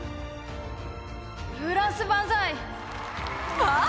フランス万歳。わお！